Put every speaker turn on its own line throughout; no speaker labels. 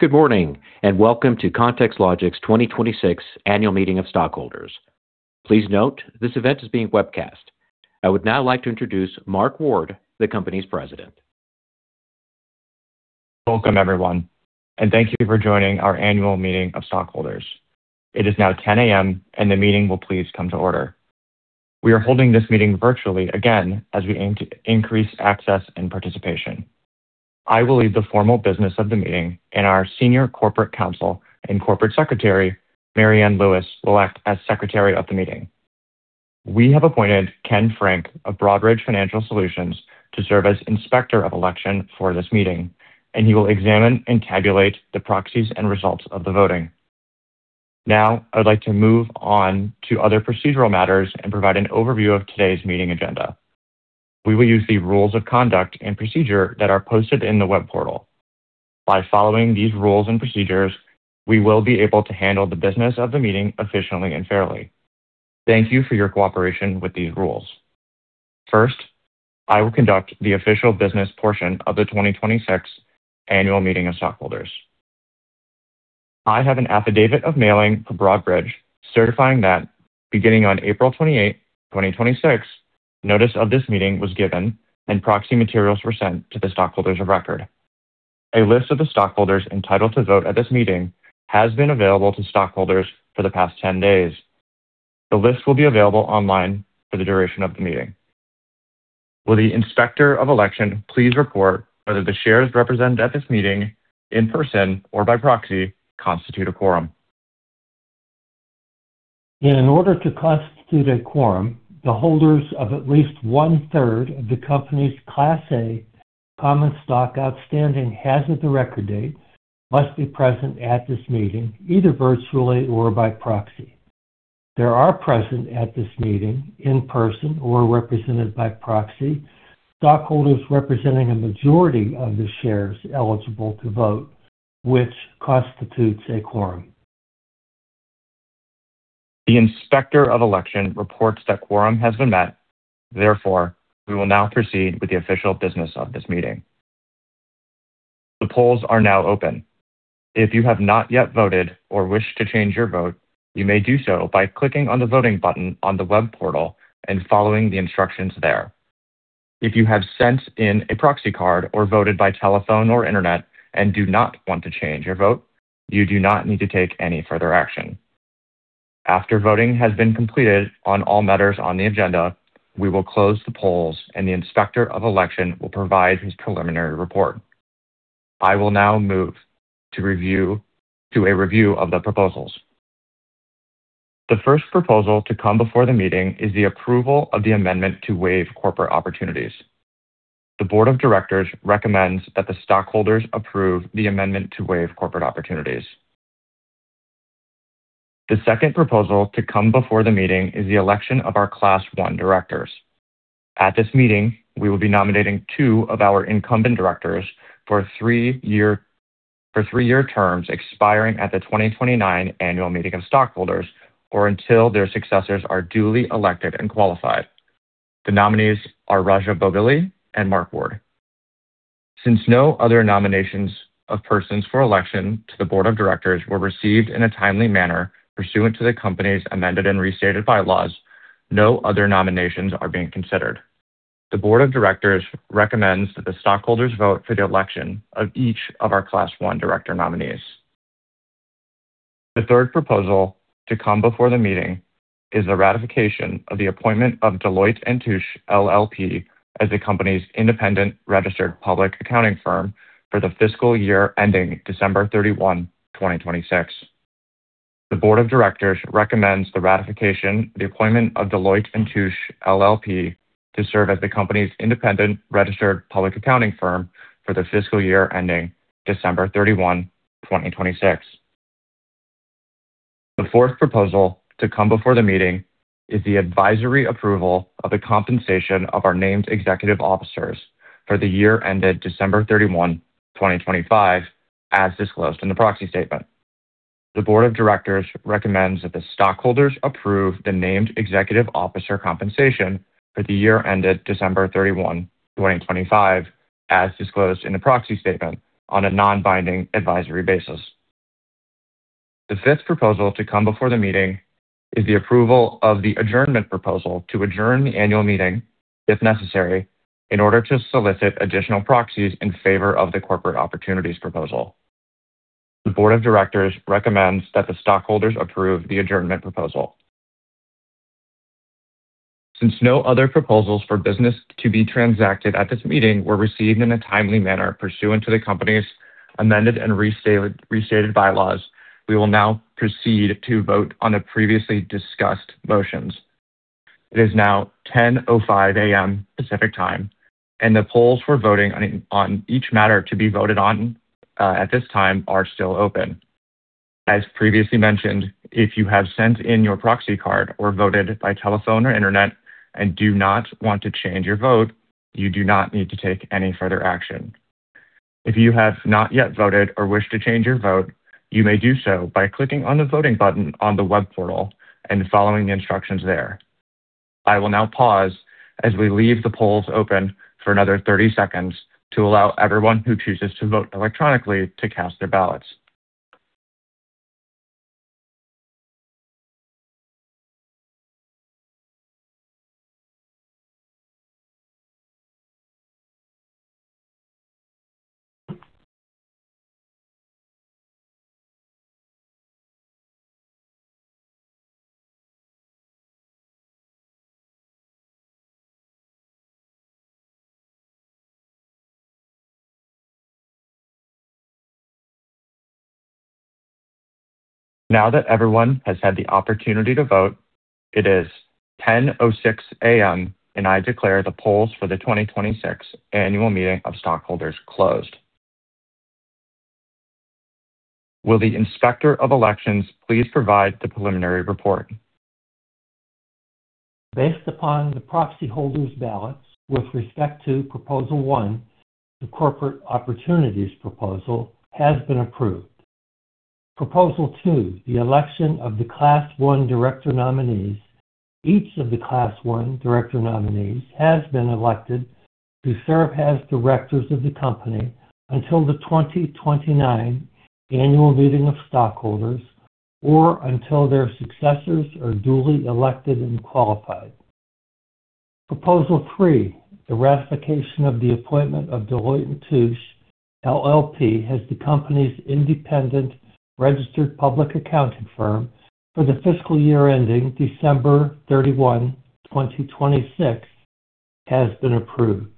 Good morning, welcome to ContextLogic's 2026 Annual Meeting of Stockholders. Please note this event is being webcast. I would now like to introduce Mark Ward, the company's President.
Welcome, everyone, thank you for joining our Annual Meeting of Stockholders. It is now 10:00A.M., the meeting will please come to order. We are holding this meeting virtually again, as we aim to increase access and participation. I will lead the formal business of the meeting and our Senior Corporate Counsel and Corporate Secretary, Marianne Lewis, will act as secretary of the meeting. We have appointed Ken Frank of Broadridge Financial Solutions to Inspector of Election for this meeting, he will examine and tabulate the proxies and results of the voting. I would like to move on to other procedural matters and provide an overview of today's meeting agenda. We will use the rules of conduct and procedure that are posted in the web portal. By following these rules and procedures, we will be able to handle the business of the meeting efficiently and fairly. Thank you for your cooperation with these rules. I will conduct the official business portion of the 2026 Annual Meeting of Stockholders. I have an affidavit of mailing for Broadridge certifying that beginning on April 28th, 2026, notice of this meeting was given and proxy materials were sent to the stockholders of record. A list of the stockholders entitled to vote at this meeting has been available to stockholders for the past 10 days. The list will be available online for the duration of the meeting. Will the Inspector of Election please report whether the shares represented at this meeting in person or by proxy constitute a quorum?
In order to constitute a quorum, the holders of at least 1/3 of the company's Class A common stock outstanding as of the record date must be present at this meeting, either virtually or by proxy. There are present at this meeting in person or represented by proxy, stockholders representing a majority of the shares eligible to vote, which constitutes a quorum.
The Inspector of Election reports that quorum has been met. We will now proceed with the official business of this meeting. The polls are now open. If you have not yet voted or wish to change your vote, you may do so by clicking on the voting button on the web portal and following the instructions there. If you have sent in a proxy card or voted by telephone or internet and do not want to change your vote, you do not need to take any further action. After voting has been completed on all matters on the agenda, we will close the polls, and the Inspector of Election will provide his preliminary report. I will now move to a review of the proposals. The first proposal to come before the meeting is the approval of the amendment to waive Corporate Opportunities. The Board of Directors recommends that the stockholders approve the amendment to waive Corporate Opportunities. The second proposal to come before the meeting is the election of our Class I directors. At this meeting, we will be nominating two of our incumbent directors for three-year terms expiring at the 2029 Annual Meeting of Stockholders, or until their successors are duly elected and qualified. The nominees are Raja Bobbili and Mark Ward. No other nominations of persons for election to the Board of Directors were received in a timely manner pursuant to the company's amended and restated bylaws, no other nominations are being considered. The Board of Directors recommends that the stockholders vote for the election of each of our Class I director nominees. The third proposal to come before the meeting is the ratification of the appointment of Deloitte & Touche LLP as the company's independent registered public accounting firm for the fiscal year ending December 31, 2026. The Board of Directors recommends the ratification the appointment of Deloitte & Touche LLP to serve as the company's independent registered public accounting firm for the fiscal year ending December 31, 2026. The fourth proposal to come before the meeting is the advisory approval of the compensation of our Named Executive Officers for the year ended December 31, 2025, as disclosed in the Proxy Statement. The Board of Directors recommends that the stockholders approve the named executive officer compensation for the year ended December 31, 2025, as disclosed in the Proxy Statement on a non-binding advisory basis. The fifth proposal to come before the meeting is the approval of the Adjournment Proposal to adjourn the annual meeting if necessary in order to solicit additional proxies in favor of the Corporate Opportunities proposal. The Board of Directors recommends that the stockholders approve the Adjournment Proposal. No other proposals for business to be transacted at this meeting were received in a timely manner pursuant to the company's amended and restated bylaws, we will now proceed to vote on the previously discussed motions. It is now 10:05A.M. Pacific Time, and the polls for voting on each matter to be voted on at this time are still open. As previously mentioned, if you have sent in your proxy card or voted by telephone or internet and do not want to change your vote, you do not need to take any further action. If you have not yet voted or wish to change your vote, you may do so by clicking on the voting button on the web portal and following the instructions there. I will now pause as we leave the polls open for another 30 seconds to allow everyone who chooses to vote electronically to cast their ballots. Now that everyone has had the opportunity to vote, it is 10:06A.M., and I declare the polls for the 2026 Annual Meeting of Stockholders closed. Will the Inspector of Election please provide the preliminary report?
Based upon the proxy holders' ballots, with respect to Proposal 1, the Corporate Opportunities proposal has been approved. Proposal 2, the election of the Class I director nominees, each of the Class I director nominees has been elected to serve as directors of the company until the 2029 Annual Meeting of Stockholders, or until their successors are duly elected and qualified. Proposal 3, the ratification of the appointment of Deloitte & Touche LLP as the company's independent registered public accounting firm for the fiscal year ending December 31, 2026, has been approved.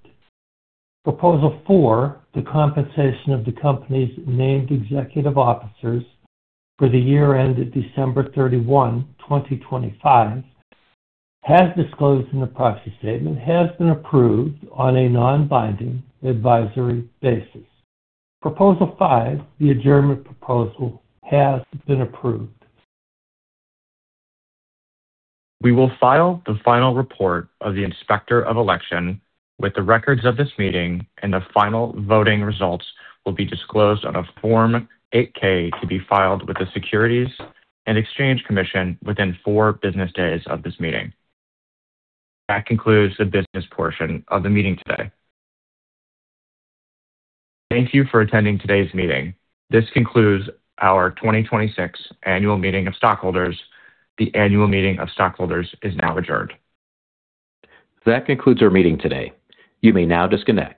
Proposal 4, the compensation of the company's Named Executive Officers for the year ended December 31, 2025, as disclosed in the Proxy Statement, has been approved on a non-binding advisory basis. Proposal 5, the Adjournment Proposal, has been approved.
We will file the final report of the Inspector of Election with the records of this meeting, and the final voting results will be disclosed on a Form 8-K to be filed with the Securities and Exchange Commission within four business days of this meeting. That concludes the business portion of the meeting today. Thank you for attending today's meeting. This concludes our 2026 Annual Meeting of Stockholders. The Annual Meeting of Stockholders is now adjourned.
That concludes our meeting today. You may now disconnect.